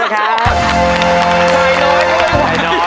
ใจน้อย